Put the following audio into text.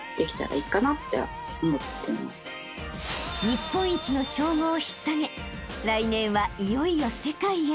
［日本一の称号を引っ提げ来年はいよいよ世界へ］